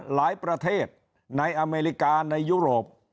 ประเทศในอเมริกาในยุโรป